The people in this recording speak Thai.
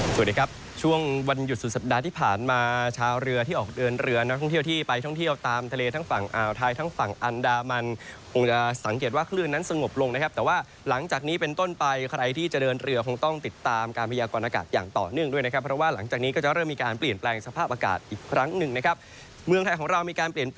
สวัสดีครับช่วงวันหยุดสุดสัปดาห์ที่ผ่านมาชาวเรือที่ออกเดินเรือนท่องเที่ยวที่ไปท่องเที่ยวตามทะเลทั้งฝั่งอ่าวไทยทั้งฝั่งอันดามันคงจะสังเกตว่าคลื่นนั้นสงบลงนะครับแต่ว่าหลังจากนี้เป็นต้นไปใครที่จะเดินเรือคงต้องติดตามการพยายามก่อนอากาศอย่างต่อเนื่องด้วยนะครับเพราะว่าหลังจากนี้ก็จะเริ